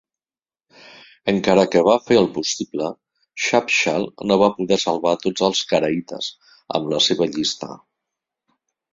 Encara que va fer el possible, Shapshal no va poder salvar a tots els caraïtes amb la seva llista.